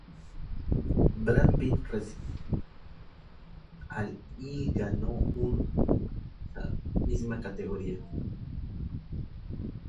Brad Pitt recibió una nominación al y ganó un en esa misma categoría.